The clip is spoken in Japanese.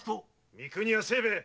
・三国屋清兵衛。